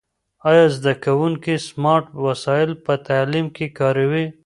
آیا زده کوونکي سمارټ وسایل په تعلیم کې کاروي؟